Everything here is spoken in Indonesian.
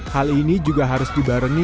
hal ini juga harus dibarengi